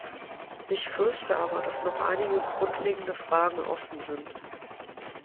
Ich fürchte aber, dass noch einige grundlegende Fragen offen sind.